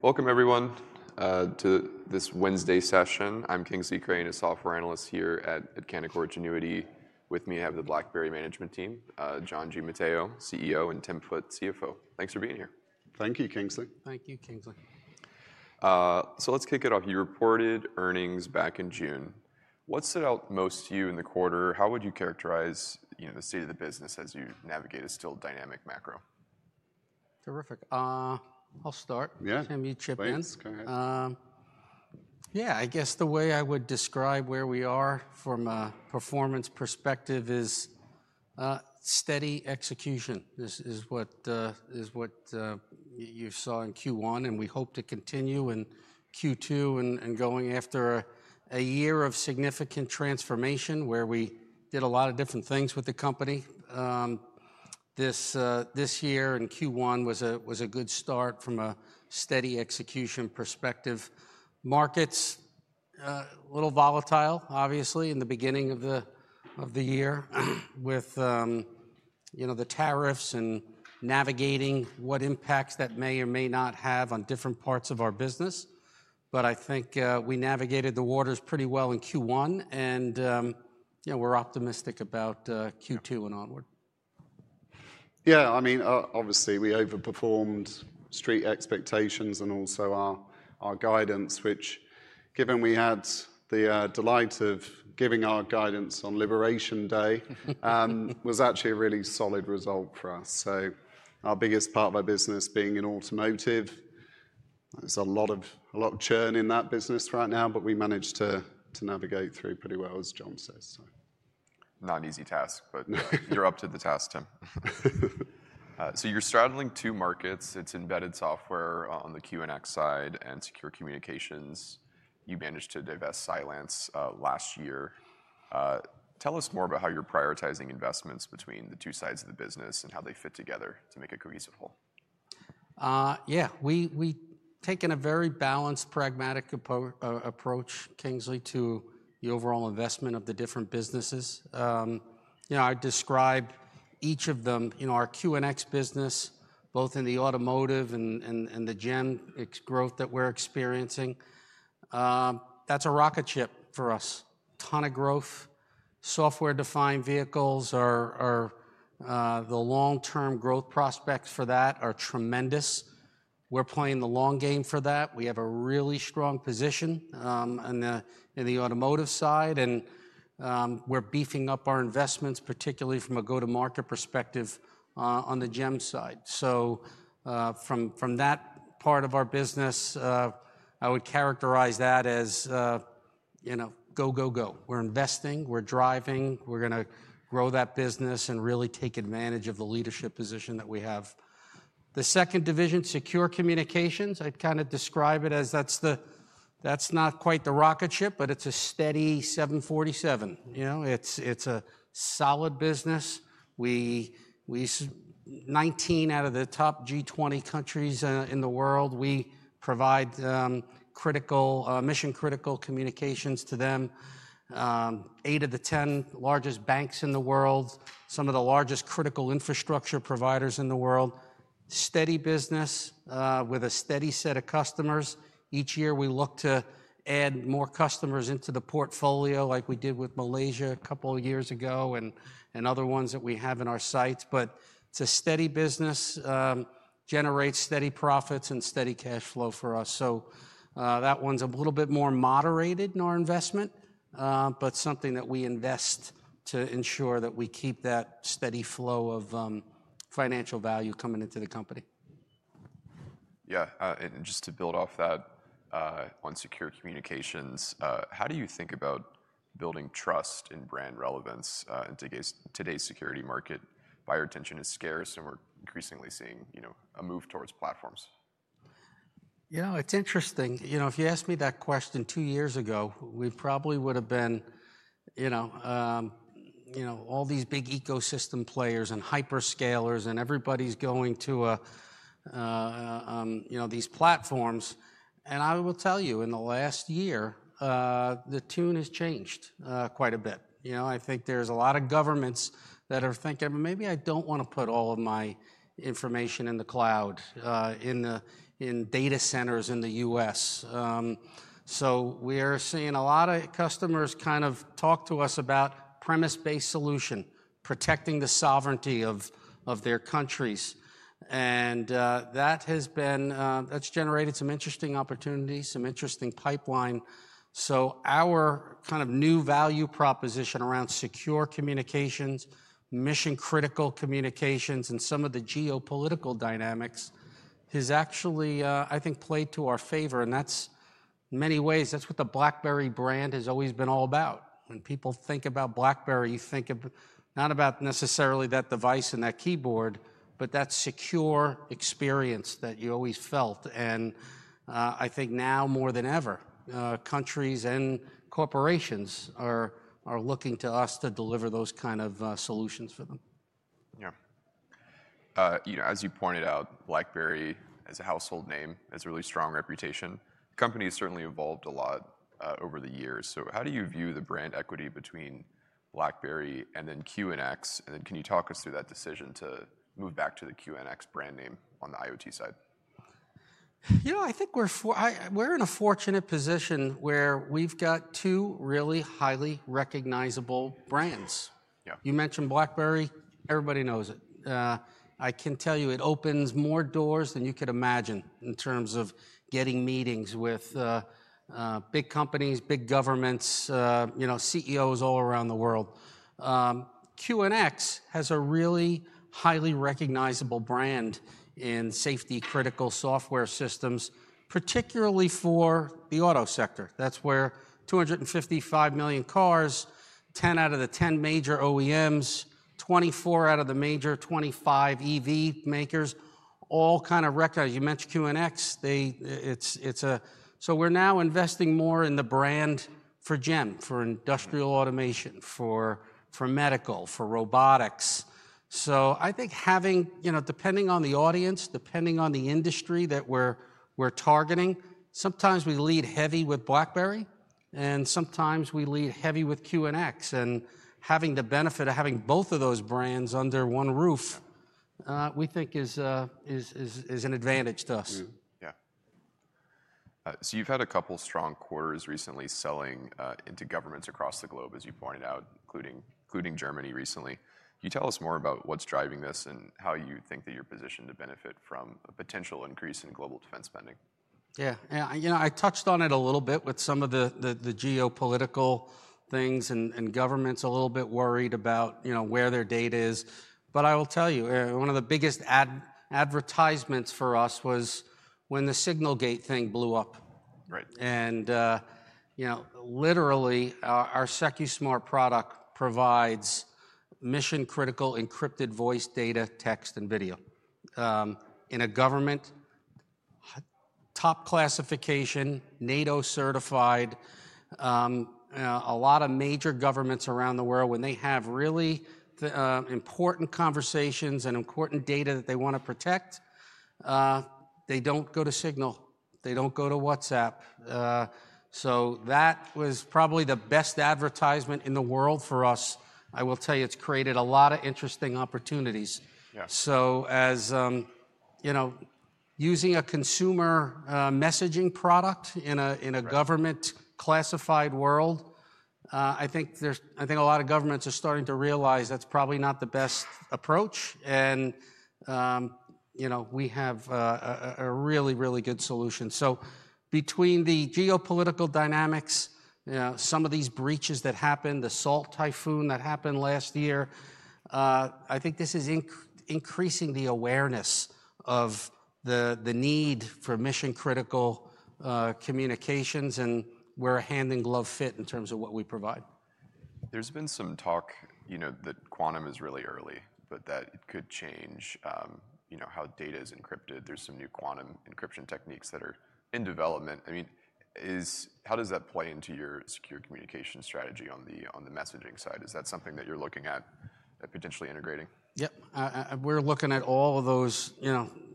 Welcome, everyone, to this Wednesday session. I'm Kingsley Crane, a Software Analyst here at Canaccord Genuity. With me, I have the BlackBerry management team, John Giamatteo, CEO, and Tim Foote, CFO. Thanks for being here. Thank you, Kingsley. Thank you, Kingsley. Let's kick it off. You reported earnings back in June. What stood out most to you in the quarter? How would you characterize the state of the business as you navigate a still dynamic macro? Terrific. I'll start. Yeah. Can we chip in? Please, go ahead. I guess the way I would describe where we are from a performance perspective is steady execution. This is what you saw in Q1, and we hope to continue in Q2 after a year of significant transformation where we did a lot of different things with the company. This year in Q1 was a good start from a steady execution perspective. Markets were a little volatile, obviously, in the beginning of the year with the tariffs and navigating what impacts that may or may not have on different parts of our business. I think we navigated the waters pretty well in Q1, and we're optimistic about Q2 and onward. Yeah. I mean, obviously, we overperformed street expectations and also our guidance, which, given we had the delight of giving our guidance on Liberation Day, was actually a really solid result for us. Our biggest part of our business being in automotive, there's a lot of churn in that business right now, but we managed to navigate through pretty well, as John says. Not an easy task, but you're up to the task, Tim. You're straddling two markets. It's embedded software on the QNX side and secure communications. You managed to divest Cylance last year. Tell us more about how you're prioritizing investments between the two sides of the business and how they fit together to make a cohesive whole. Yeah, we take a very balanced, pragmatic approach, Kingsley, to the overall investment of the different businesses. I describe each of them, our QNX business, both in the automotive and the gen growth that we're experiencing. That's a rocket ship for us. A ton of growth. Software-defined vehicles are, the long-term growth prospects for that are tremendous. We're playing the long game for that. We have a really strong position in the automotive side, and we're beefing up our investments, particularly from a go-to-market perspective, on the gen side. From that part of our business, I would characterize that as, you know, go, go, go. We're investing, we're driving, we're going to grow that business and really take advantage of the leadership position that we have. The second division, secure communications, I kind of describe it as that's not quite the rocket ship, but it's a steady 747. It's a solid business. We serve 19 out of the top G20 countries in the world. We provide critical, mission-critical communications to them, 8 of the 10 largest banks in the world, some of the largest critical infrastructure providers in the world. Steady business, with a steady set of customers. Each year, we look to add more customers into the portfolio like we did with Malaysia a couple of years ago and other ones that we have in our sights. It's a steady business, generates steady profits and steady cash flow for us. That one's a little bit more moderated in our investment, but something that we invest to ensure that we keep that steady flow of financial value coming into the company. Yeah, just to build off that, on secure communications, how do you think about building trust and brand relevance in today's security market? Buyer retention is scarce, and we're increasingly seeing a move towards platforms. It's interesting. If you asked me that question two years ago, we probably would have been, you know, all these big ecosystem players and hyperscalers and everybody's going to, you know, these platforms. I will tell you, in the last year, the tune has changed quite a bit. I think there's a lot of governments that are thinking, maybe I don't want to put all of my information in the cloud, in the data centers in the U.S. We are seeing a lot of customers talk to us about on-premise, sovereign solutions, protecting the sovereignty of their countries. That has generated some interesting opportunities, some interesting pipeline. Our kind of new value proposition around secure communications, mission-critical communications, and some of the geopolitical dynamics has actually, I think, played to our favor. In many ways, that's what the BlackBerry brand has always been all about. When people think about BlackBerry, you think of not necessarily that device and that keyboard, but that secure experience that you always felt. I think now more than ever, countries and corporations are looking to us to deliver those kind of solutions for them. Yeah, you know, as you pointed out, BlackBerry, as a household name, has a really strong reputation. The company has certainly evolved a lot over the years. How do you view the brand equity between BlackBerry and then QNX? Can you talk us through that decision to move back to the QNX brand name on the IoT side? I think we're in a fortunate position where we've got two really highly recognizable brands. Yeah. You mentioned BlackBerry. Everybody knows it. I can tell you it opens more doors than you could imagine in terms of getting meetings with big companies, big governments, CEOs all around the world. QNX has a really highly recognizable brand in safety-critical software systems, particularly for the auto sector. That's where 255 million cars, 10 out of the 10 major OEMs, 24 out of the major 25 EV makers, all kind of recognized. You mentioned QNX. We're now investing more in the brand for GEM, for industrial automation, for medical, for robotics. I think having, depending on the audience, depending on the industry that we're targeting, sometimes we lead heavy with BlackBerry, and sometimes we lead heavy with QNX. Having the benefit of having both of those brands under one roof, we think is an advantage to us. You've had a couple strong quarters recently selling into governments across the globe, as you pointed out, including Germany recently. Can you tell us more about what's driving this and how you think that you're positioned to benefit from a potential increase in global defense spending? Yeah, I touched on it a little bit with some of the geopolitical things and governments a little bit worried about where their data is. I will tell you, one of the biggest advertisements for us was when the Signalgate thing blew up. Right. Literally, our Secusmart product provides mission-critical encrypted voice, data, text, and video in a government, top classification, NATO certified. A lot of major governments around the world, when they have really important conversations and important data that they wanna protect, they don't go to Signal. They don't go to WhatsApp. That was probably the best advertisement in the world for us. I will tell you, it's created a lot of interesting opportunities. Yeah. Using a consumer messaging product in a government classified world, I think a lot of governments are starting to realize that's probably not the best approach. We have a really, really good solution. Between the geopolitical dynamics and some of these breaches that happened, the Salt Typhoon that happened last year, I think this is increasing the awareness of the need for mission-critical communications, and we're a hand-in-glove fit in terms of what we provide. There's been some talk that quantum is really early, but that it could change how data is encrypted. There's some new quantum encryption techniques that are in development. I mean, how does that play into your secure communications strategy on the messaging side? Is that something that you're looking at potentially integrating? Yep. We're looking at all of those.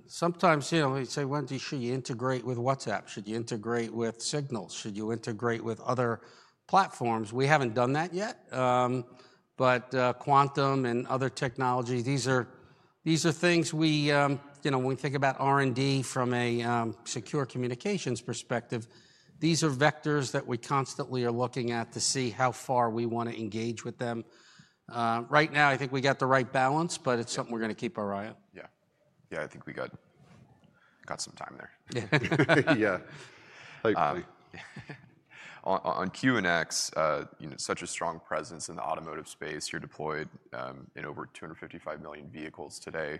Sometimes they say, "Wendy, should you integrate with WhatsApp? Should you integrate with Signal? Should you integrate with other platforms?" We haven't done that yet. Quantum and other technologies, these are things we, you know, when we think about R&D from a secure communications perspective, these are vectors that we constantly are looking at to see how far we want to engage with them. Right now, I think we got the right balance, but it's something we're going to keep our eye on. Yeah, I think we got some time there. Yeah. On QNX, you know, such a strong presence in the automotive space. You're deployed in over 255 million vehicles today.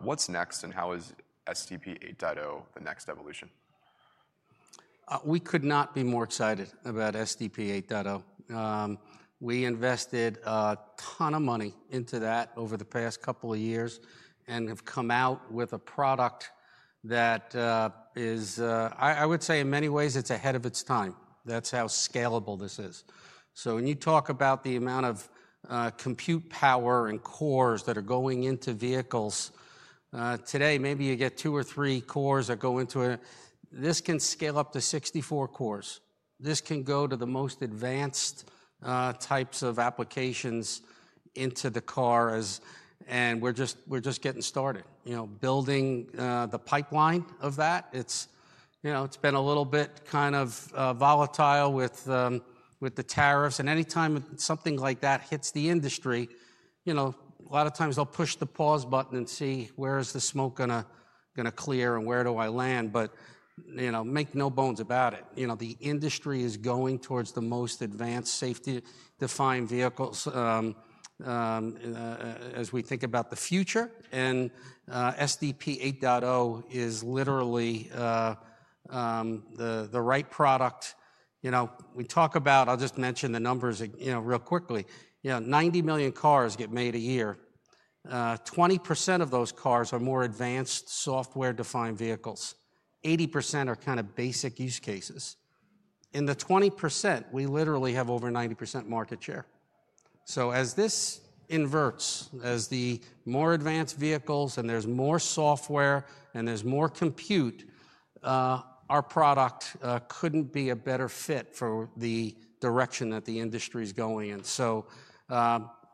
What's next and how is SDP 8.0 the next evolution? We could not be more excited about SDP 8.0. We invested a ton of money into that over the past couple of years and have come out with a product that, I would say in many ways, it's ahead of its time. That's how scalable this is. When you talk about the amount of compute power and cores that are going into vehicles, today, maybe you get two or three cores that go into it. This can scale up to 64 cores. This can go to the most advanced types of applications into the car as we are just getting started building the pipeline of that. It's been a little bit kind of volatile with the tariffs. Anytime something like that hits the industry, a lot of times they'll push the pause button and see, where is the smoke going to clear and where do I land? Make no bones about it, the industry is going towards the most advanced safety-critical vehicles, as we think about the future. SDP 8.0 is literally the right product. I'll just mention the numbers real quickly. 90 million cars get made a year. 20% of those cars are more advanced software-defined vehicles. 80% are kind of basic use cases. In the 20%, we literally have over 90% market share. As this inverts, as the more advanced vehicles and there's more software and there's more compute, our product couldn't be a better fit for the direction that the industry is going in.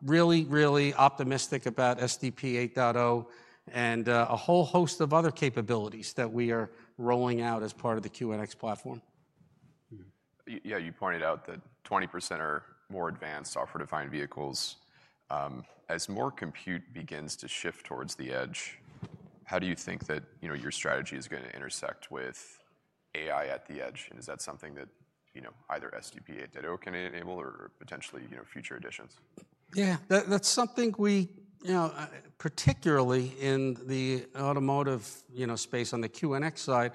Really, really optimistic about SDP 8.0 and a whole host of other capabilities that we are rolling out as part of the QNX platform. Yeah. You pointed out that 20% are more advanced software-defined vehicles. As more compute begins to shift towards the edge, how do you think that, you know, your strategy is going to intersect with AI at the edge? Is that something that, you know, either SDP 8.0 can enable or potentially, you know, future additions? Yeah. That's something we, particularly in the automotive space on the QNX side,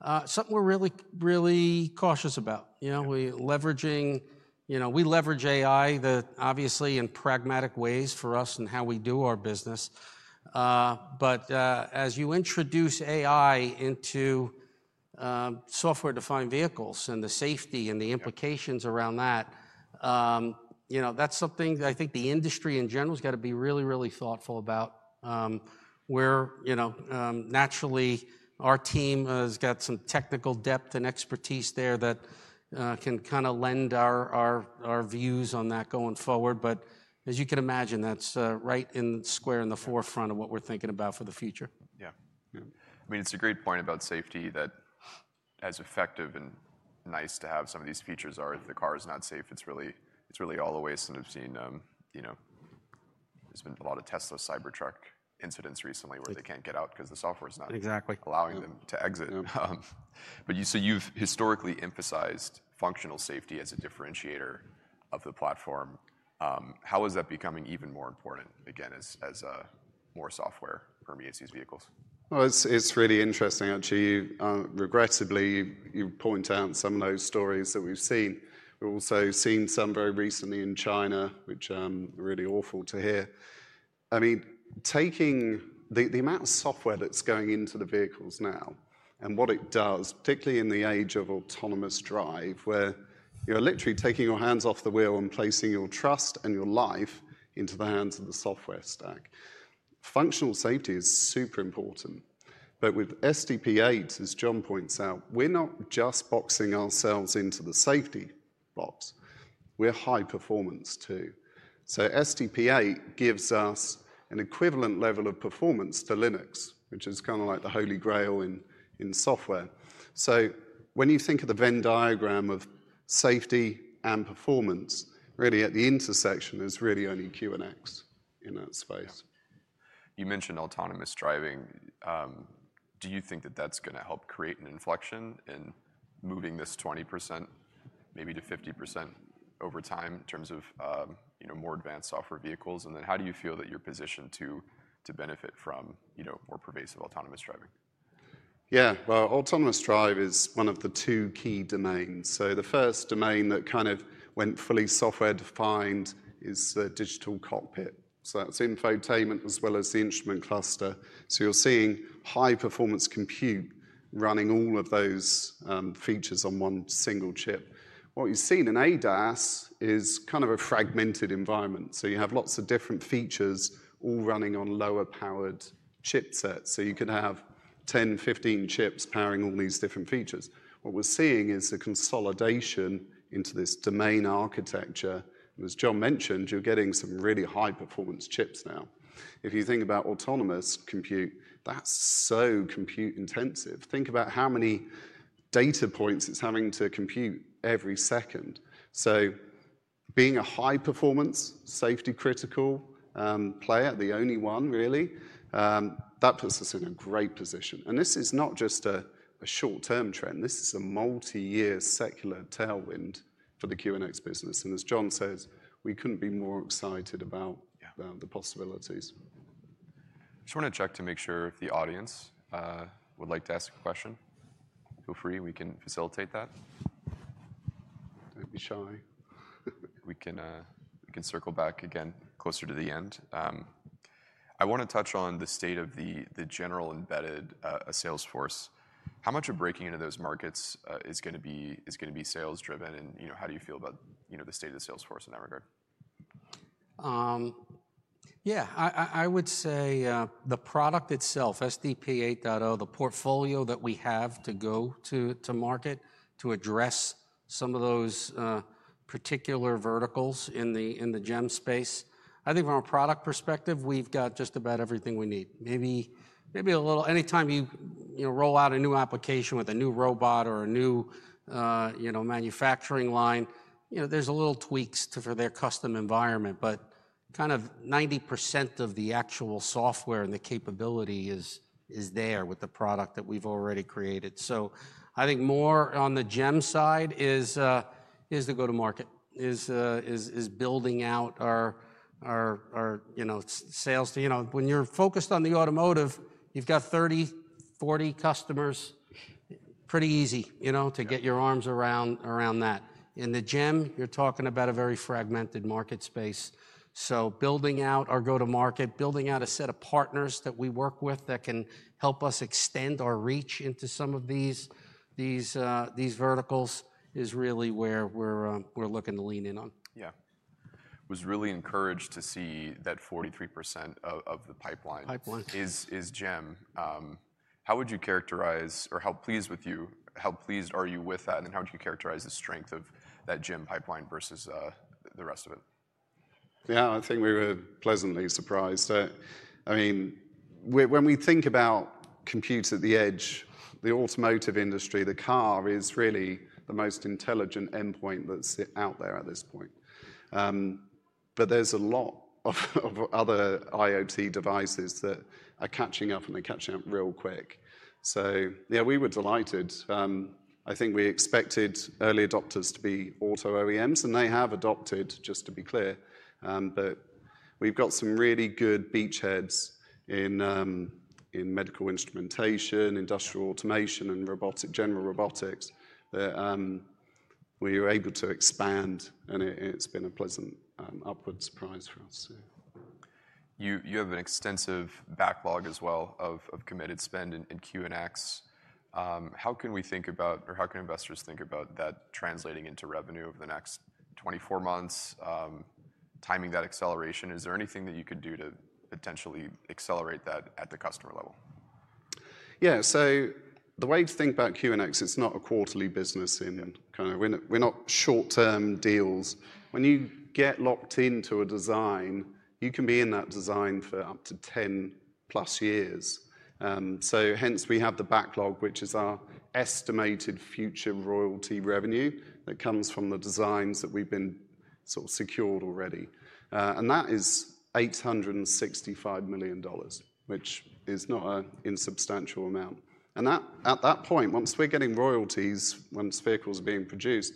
are really, really cautious about. We leverage AI, obviously in pragmatic ways for us and how we do our business. As you introduce AI into software-defined vehicles and the safety and the implications around that, that's something that I think the industry in general has got to be really, really thoughtful about. Naturally, our team has got some technical depth and expertise there that can lend our views on that going forward. As you can imagine, that's right square in the forefront of what we're thinking about for the future. Yeah. I mean, it's a great point about safety that as effective and nice to have some of these features are, if the car is not safe, it's really all the ways. I've seen, you know, there's been a lot of Tesla Cybertruck incidents recently where they can't get out because the software is not. Exactly. Allowing them to exit. You said you've historically emphasized functional safety as a differentiator of the platform. How is that becoming even more important, again, as more software permeates these vehicles? It's really interesting. Actually, you point out some of those stories that we've seen. We've also seen some very recently in China, which are really awful to hear. I mean, taking the amount of software that's going into the vehicles now and what it does, particularly in the age of autonomous drive, where you're literally taking your hands off the wheel and placing your trust and your life into the hands of the software stack. Functional safety is super important. With SDP 8, as John points out, we're not just boxing ourselves into the safety box. We're high performance too. SDP 8 gives us an equivalent level of performance to Linux, which is kind of like the holy grail in software. When you think of the Venn diagram of safety and performance, really, at the intersection is really only QNX in that space. You mentioned autonomous driving. Do you think that that's going to help create an inflection in moving this 20% maybe to 50% over time in terms of, you know, more advanced software vehicles? How do you feel that you're positioned to benefit from, you know, more pervasive autonomous driving? Autonomous drive is one of the two key domains. The first domain that kind of went fully software-defined is the digital cockpit. That's infotainment as well as the instrument cluster. You're seeing high-performance compute running all of those features on one single chip. What you've seen in Advanced Driver Assistance Systems is kind of a fragmented environment. You have lots of different features all running on lower-powered chipsets. You could have 10 chips, 15 chips powering all these different features. What we're seeing is a consolidation into this domain architecture. As John mentioned, you're getting some really high-performance chips now. If you think about autonomous compute, that's so compute-intensive. Think about how many data points it's having to compute every second. Being a high-performance, safety-critical player, the only one, really, that puts us in a great position. This is not just a short-term trend. This is a multi-year secular tailwind for the QNX business. As John says, we couldn't be more excited about the possibilities. I just want to check to make sure if the audience would like to ask a question. Feel free, we can facilitate that. Don't be shy. We can circle back again closer to the end. I want to touch on the state of the general embedded Salesforce. How much of breaking into those markets is going to be sales-driven? You know, how do you feel about the state of the Salesforce in that regard? Yeah. I would say, the product itself, SDP 8.0, the portfolio that we have to go to market to address some of those particular verticals in the GEM space. I think from a product perspective, we've got just about everything we need. Maybe a little anytime you roll out a new application with a new robot or a new manufacturing line, there's a little tweaks for their custom environment. Kind of 90% of the actual software and the capability is there with the product that we've already created. I think more on the GEM side is the go-to-market, is building out our sales team. When you're focused on the automotive, you've got 30, 40 customers, pretty easy to get your arms around that. In the GEM, you're talking about a very fragmented market space. Building out our go-to-market, building out a set of partners that we work with that can help us extend our reach into some of these verticals is really where we're looking to lean in on. Yeah, was really encouraged to see that 43% of the pipeline. Pipeline. Is it a gem? How would you characterize, or how pleased are you with that? How would you characterize the strength of that gem pipeline versus the rest of it? Yeah, I think we were pleasantly surprised. I mean, when we think about compute at the edge, the automotive industry, the car is really the most intelligent endpoint that's out there at this point. There's a lot of other IoT devices that are catching up, and they're catching up real quick. Yeah, we were delighted. I think we expected early adopters to be auto OEMs, and they have adopted, just to be clear. We've got some really good beachheads in medical instrumentation, industrial automation, and general robotics that we were able to expand, and it's been a pleasant, upward surprise for us too. You have an extensive backlog as well of committed spend in QNX. How can we think about or how can investors think about that translating into revenue over the next 24 months, timing that acceleration? Is there anything that you could do to potentially accelerate that at the customer level? Yeah. The way to think about QNX, it's not a quarterly business in kind of we're not short-term deals. When you get locked into a design, you can be in that design for up to 10+ years. Hence, we have the backlog, which is our estimated future royalty revenue that comes from the designs that we've been sort of secured already, and that is $865 million, which is not an insubstantial amount. At that point, once we're getting royalties, once vehicles are being produced,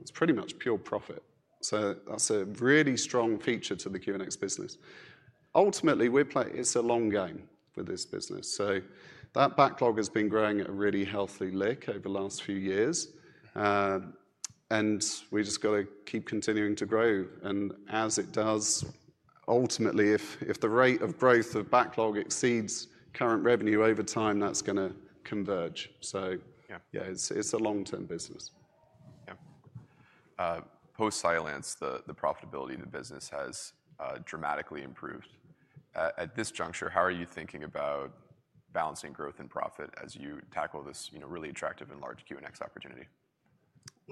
it's pretty much pure profit. That's a really strong feature to the QNX business. Ultimately, we're playing it's a long game for this business. That backlog has been growing at a really healthy lick over the last few years, and we just gotta keep continuing to grow. As it does, ultimately, if the rate of growth of backlog exceeds current revenue over time, that's going to converge. Yeah, it's a long-term business. Yeah. Post-Cylance, the profitability of the business has dramatically improved. At this juncture, how are you thinking about balancing growth and profit as you tackle this really attractive and large QNX opportunity?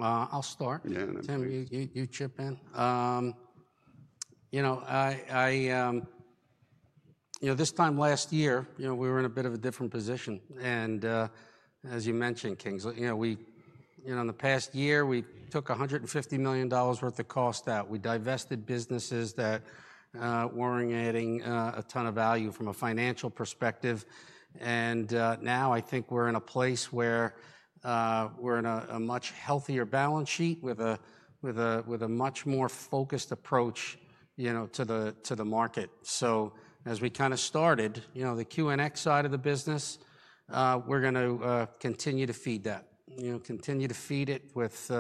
I'll start. Yeah. Tim, you chip in. You know, this time last year, we were in a bit of a different position. As you mentioned, Kingsley, in the past year, we took $150 million worth of cost out. We divested businesses that weren't adding a ton of value from a financial perspective. Now I think we're in a place where we're in a much healthier balance sheet with a much more focused approach to the market. As we started the QNX side of the business, we're going to continue to feed that, continue to feed it with,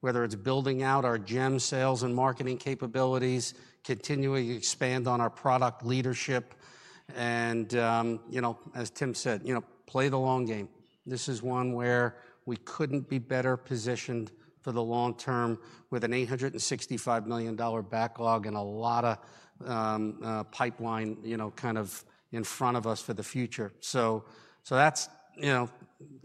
whether it's building out our gem sales and marketing capabilities, continuing to expand on our product leadership. As Tim said, play the long game. This is one where we couldn't be better positioned for the long term with an $865 million backlog and a lot of pipeline in front of us for the future. That's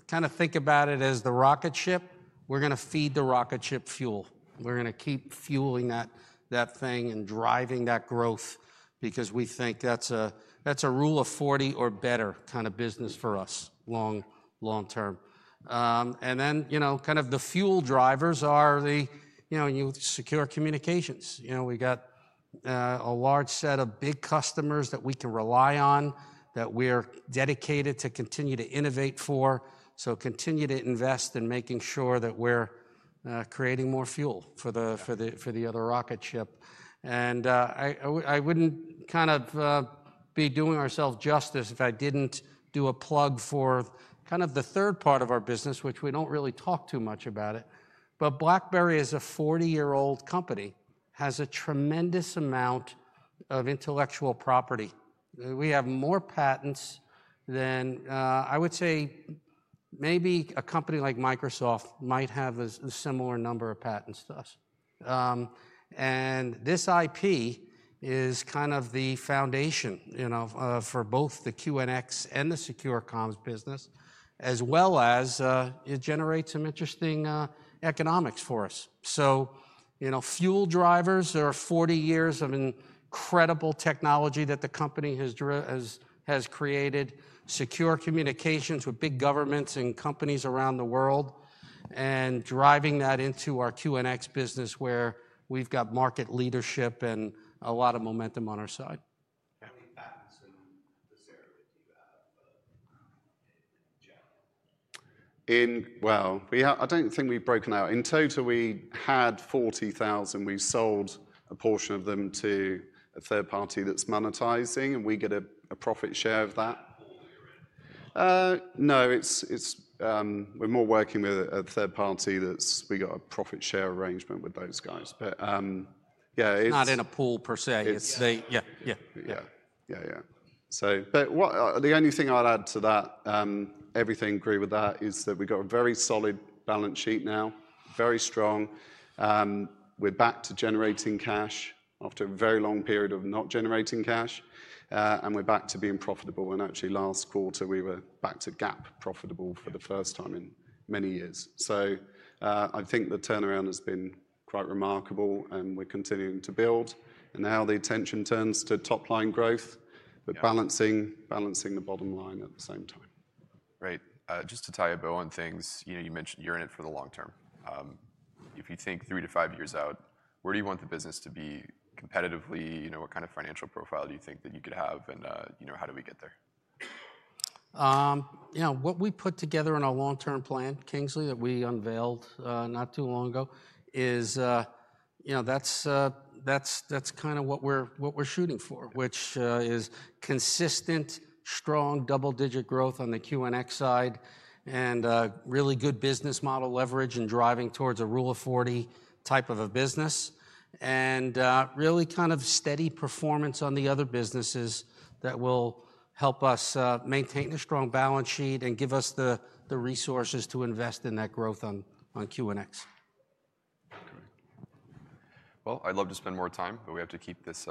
kind of, think about it as the rocket ship. We're going to feed the rocket ship fuel. We're going to keep fueling that thing and driving that growth because we think that's a rule of 40 or better kind of business for us long term. Then, the fuel drivers are the secure communications. We got a large set of big customers that we can rely on, that we're dedicated to continue to innovate for. Continue to invest in making sure that we're creating more fuel for the other rocket ship. I wouldn't be doing ourselves justice if I didn't do a plug for the third part of our business, which we don't really talk too much about. BlackBerry is a 40-year-old company, has a tremendous amount of intellectual property. We have more patents than, I would say maybe a company like Microsoft might have a similar number of patents to us. This IP is kind of the foundation for both the QNX and the secure communications business, as well as it generates some interesting economics for us. Fuel drivers are 40 years of incredible technology that the company has created, secure communications with big governments and companies around the world, and driving that into our QNX business where we've got market leadership and a lot of momentum on our side. We have, I don't think we've broken out. In total, we had 40,000. We sold a portion of them to a third party that's monetizing, and we get a profit share of that. It's, we're more working with a third party that we've got a profit share arrangement with those guys. Yeah, it's. Not in a pool per se. It's they. Yeah. What the only thing I'll add to that, everything agree with that, is that we got a very solid balance sheet now, very strong. We're back to generating cash after a very long period of not generating cash, and we're back to being profitable. Actually, last quarter, we were back to GAAP profitable for the first time in many years. I think the turnaround has been quite remarkable, and we're continuing to build. Now the attention turns to top line growth, but balancing the bottom line at the same time. Great. Just to tie up on things, you mentioned you're in it for the long term. If you think 3-5 years out, where do you want the business to be competitively? What kind of financial profile do you think that you could have? You know, how do we get there? What we put together in our long-term plan, Kingsley, that we unveiled not too long ago, is, you know, that's kind of what we're shooting for, which is consistent, strong, double-digit growth on the QNX side and really good business model leverage and driving towards a rule of 40 type of a business, and really kind of steady performance on the other businesses that will help us maintain a strong balance sheet and give us the resources to invest in that growth on QNX. I'd love to spend more time, but we have to keep this.